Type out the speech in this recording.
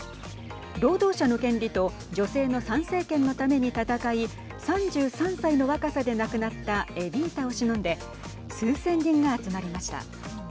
労働者の権利と女性の参政権のために戦い３３歳の若さで亡くなったエビータをしのんで数千人が集まりました。